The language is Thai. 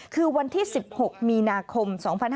คือวันที่๑๖มีนาคม๒๕๕๙